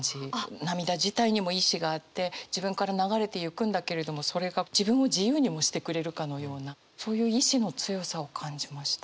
涙自体にも意志があって自分から流れていくんだけれどもそれが自分を自由にもしてくれるかのようなそういう意志の強さを感じました。